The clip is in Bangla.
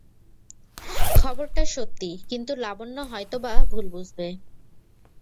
খবরটা সত্যি, কিন্তু লাবণ্য হয়তো-বা ভুল বুঝবে।